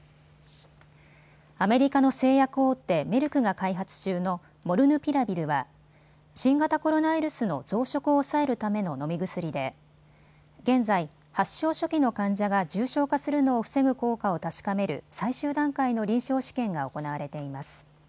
アメリカの製薬大手メルクが開発中のモルヌピラビルは新型コロナウイルスの増殖を抑えるための飲み薬で現在、発症初期の患者が重症化するのを防ぐ効果を確かめる最終段階の臨床試験が行われています。